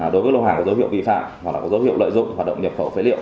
đối với lô hàng có dấu hiệu vi phạm hoặc là có dấu hiệu lợi dụng hoạt động nhập khẩu phế liệu